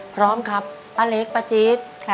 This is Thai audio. พร้อมครับป้าเล็กป้าจี๊ด